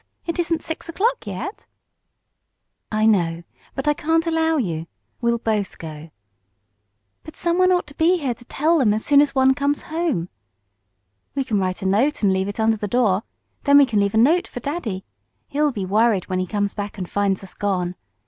It isn't six o'clock yet." "I know. But I can't allow you. We'll both go." "But someone ought to be here to tell them as soon as one comes home." "We can write a note and leave it under the door. Then we can leave a note for daddy. He'll be worried when he comes back and finds us gone.